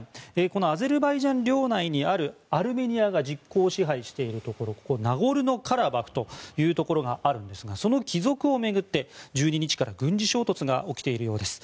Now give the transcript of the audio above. このアゼルバイジャン領内にあるアルメニアが実効支配しているところここ、ナゴルノカラバフというところがあるんですがその帰属を巡って１２日から軍事衝突が起きているようです。